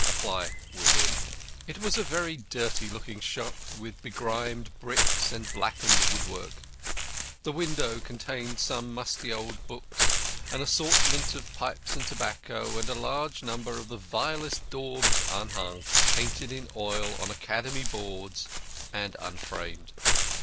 Apply within. It was a very dirty looking shop, with begrimed bricks and blackened woodwork. The window contained some musty old books, an assortment of pipes and tobacco, and a large number of the vilest daubs unhung, painted in oil on Academy boards, and unframed.